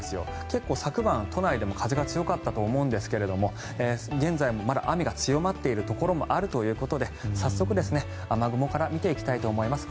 結構、昨晩、都内でも風が強かったと思うんですが現在もまだ雨が強まっているところもあるというところで早速雨雲から見ていきたいと思います。